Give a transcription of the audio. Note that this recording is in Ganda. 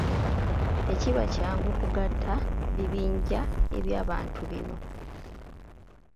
Tekiba kyangu kugatta bibinja eby’abantu bino.